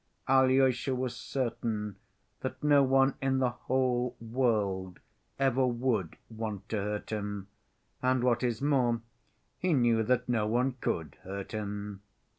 Alyosha was certain that no one in the whole world ever would want to hurt him, and, what is more, he knew that no one could hurt him.